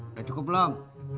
udah cukup belum